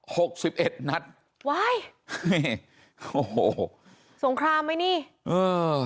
สิบเอ็ดนัดว้ายนี่โอ้โหสงครามไหมนี่เออ